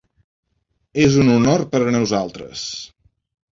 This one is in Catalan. És un honor per a nosaltres.